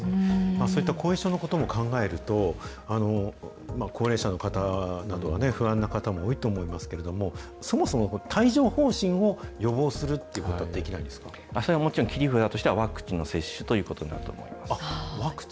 そういった後遺症のことも考えると、高齢者の方などはね、不安な方も多いと思いますけれども、そもそも帯状ほう疹を予防するっそれはもちろん、切り札としてはワクチンの接種ということになると思います。